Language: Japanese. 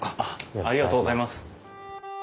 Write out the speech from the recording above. ありがとうございます。